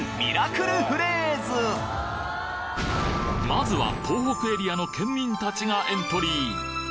まずは東北エリアの県民達がエントリー